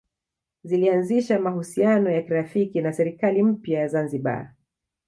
Zilianzisha mahusiano ya kirafiki na serikali mpya ya Zanzibar